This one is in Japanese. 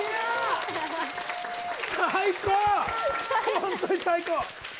本当に最高！